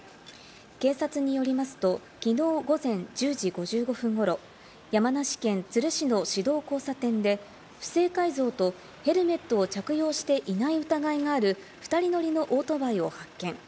警察によりますと、きのう午前１０時５５分頃、山梨県都留市の市道交差点で不正改造とヘルメットを着用していない疑いがある２人乗りのオートバイを発見。